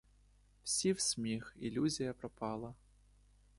Всі в сміх, ілюзія пропала.